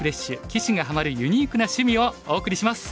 棋士がハマるユニークな趣味」をお送りします。